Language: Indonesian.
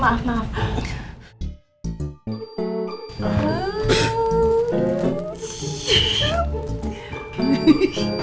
pasti dia ngajak itu